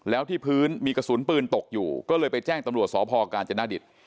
แล้วที่พื้นมีกระสุนปืนตกอยู่ก็เลยไปแจ้งตำรวจสพกาญจนดิต